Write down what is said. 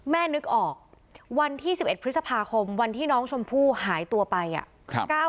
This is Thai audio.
นึกออกวันที่๑๑พฤษภาคมวันที่น้องชมพู่หายตัวไปอ่ะ